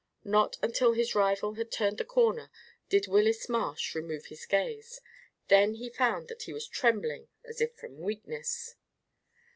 Not until his rival had turned the corner did Willis Marsh remove his gaze. Then he found that he was trembling as if from weakness.